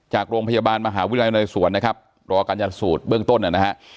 จากโรงพยาบาลมหาวิทยาลัยสวรรค์นะครับรอกันอย่างสูตรเบื้องต้นนะครับ